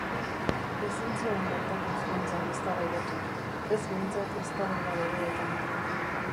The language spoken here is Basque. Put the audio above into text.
Ezin zuen bertako hizkuntzan eztabaidatu, ez behintzat eztabaida beroetan.